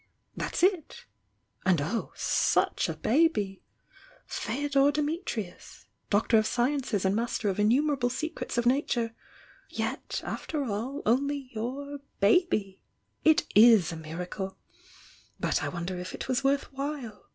That's it! And oh, such a baby! Feodor Dimitrius! — doctor of sciences and master of innumerable secrets of nature— yet, after all, only your 'baby!' It is a miracle! But I wonder if it was worth while!